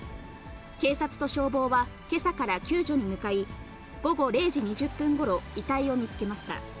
警察と消防はけさから救助に向かい、午後０時２０分ごろ、遺体を見つけました。